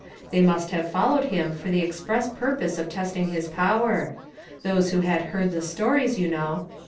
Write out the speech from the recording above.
They must have fol lowed him for the express purpose of testing his power; those who had heard the stories, you know.